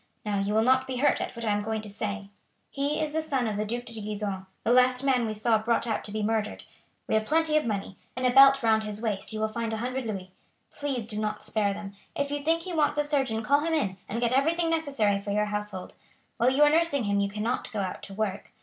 Now you will not be hurt at what I am going to say. He is the son of the Duc de Gisons, the last man we saw brought out to be murdered. We have plenty of money. In a belt round his waist you will find a hundred louis. Please do not spare them. If you think he wants a surgeon call him in, and get everything necessary for your household. While you are nursing him you cannot go out to work.